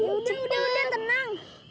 ya udah udah udah tenang